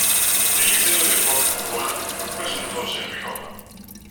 El diseñó de Focke Wulf no resultó ser mejor.